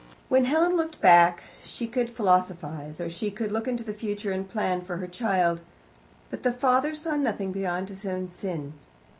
When Helen looked back she could philosophize, or she could look into the future and plan for her child. But the father saw nothing beyond his own sin.